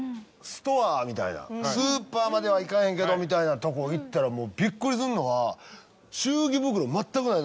スーパーまではいかへんけどみたいなとこ行ったらびっくりすんのは。